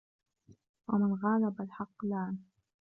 وَمَنْ غَالَبَ الْحَقَّ لَانَ